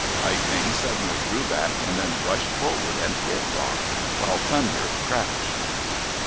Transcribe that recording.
Lightning suddenly drew back and then rushed forward and hit Rock, while Thunder crashed.